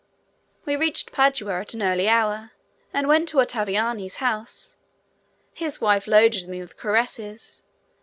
We reached Padua at an early hour and went to Ottaviani's house; his wife loaded me with caresses.